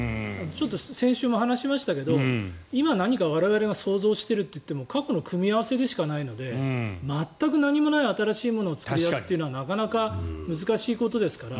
先週も話しましたけど今、何か我々が創造しているといっても過去の組み合わせでしかないので全く何もない新しいものを作るというのはなかなか難しいことですから。